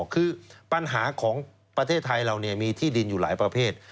คือปัญหาของประเทศไทยเรามีที่ดินอยู่หลายประเภท